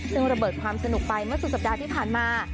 ซึ่งระเบิดความสนุกไปเมื่อสุดสัปดาห์ที่ผ่านมา